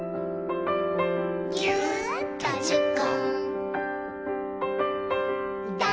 「ぎゅっとじゅっこ」